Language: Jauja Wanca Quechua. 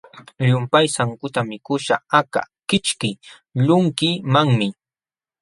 Llumpay sankuta mikuśhqa aka kićhkiqlunkimanmi.